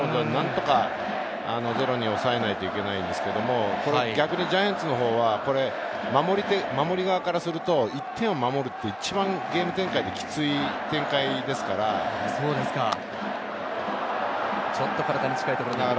何とかゼロに抑えないといけないですけれど、逆にジャイアンツのほうは、守り側からすると、１点を守るって一番ゲーム展開できつい展開でちょっと体に近いところ。